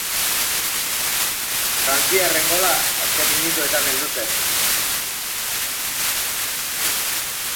Frantziarren gola azken minutuetan heldu zen.